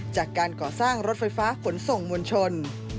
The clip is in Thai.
จากการก่อสร้างรถไฟฟ้าขนส่งมวลชน